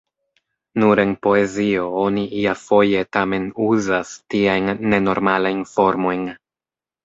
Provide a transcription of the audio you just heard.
Nur en poezio oni iafoje tamen uzas tiajn nenormalajn formojn.